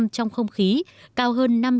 trong không khí cao hơn